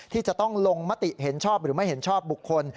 ที่จะต้องลงมติเห็นชอบหรือไม่เห็นชอบบุคคล